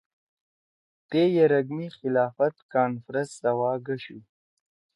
تے یرک می خلافت کانفرنس سواگَشُو